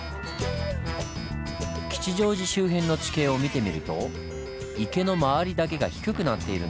吉祥寺周辺の地形を見てみると池の周りだけが低くなっているんです。